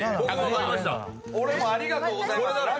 俺もありがとうございますや。